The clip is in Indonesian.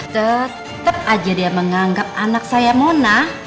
tetep aja dia menganggap anak saya monah